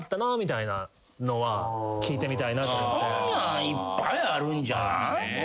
そんなんいっぱいあるんじゃない？